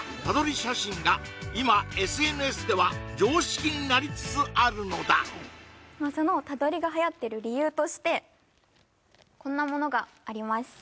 写真が今ＳＮＳでは常識になりつつあるのだまあその他撮りがはやってる理由としてこんなものがあります